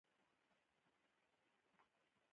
واوره د افغان تاریخ په کتابونو کې ذکر شوې ده.